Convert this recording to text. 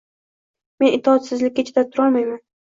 Men itoatsizlikka chidab turolmayman.